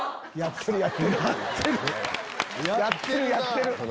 やってるやってるなぁ。